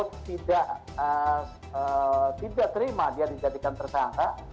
kalau tidak terima dia dijadikan tersangka